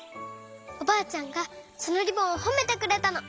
おばあちゃんがそのリボンをほめてくれたの。